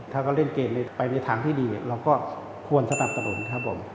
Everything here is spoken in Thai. ถ้าเล่นเกมไปในทางที่ดีเราก็ควรสะดับตะลน